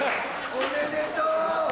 おめでとう。